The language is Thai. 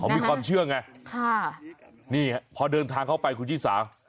นี่นะคะค่ะนี่พอเดินทางเข้าไปคุณชิสา